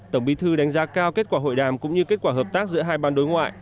tổng bí thư đánh giá cao kết quả hội đàm cũng như kết quả hợp tác giữa hai ban đối ngoại